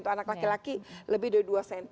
anak laki laki lebih dari dua cm